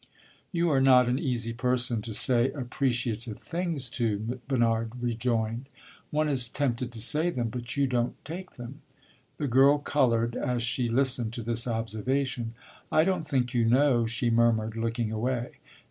"You are not an easy person to say appreciative things to," Bernard rejoined. "One is tempted to say them; but you don't take them." The young girl colored as she listened to this observation. "I don't think you know," she murmured, looking away.